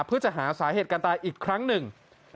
เพื่อจะหาสาเหตุการตายอีกครั้งหนึ่ง